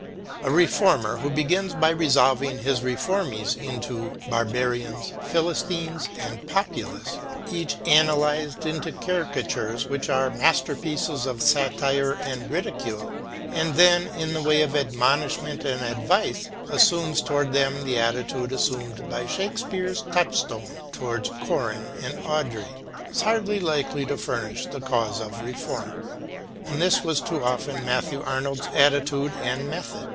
A reformer who begins by resolving his reformees into Barbarians, Philistines, and Populace— each analysed into caricatures which are masterpieces of satire and ridicule — ^and then in the way of admonishment and advice assumes toward them the attitude assumed by Shakespeare's Touch stone towards Corin and Audrey, is hardly likely to further the cause of reform. And this was too often Matthew Arnold's attitude and method.